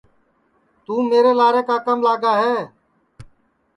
توں میرے لارے کاکام لاگا ہے